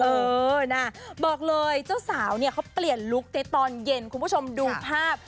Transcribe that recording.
เออนะบอกเลยเจ้าสาวเนี่ยเขาเปลี่ยนลุคในตอนเย็นคุณผู้ชมดูภาพ